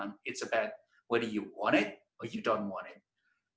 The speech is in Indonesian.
ini tentang apakah kamu inginkannya atau tidak